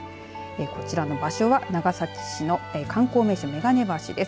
こちらの場所は長崎市の観光名所眼鏡橋です。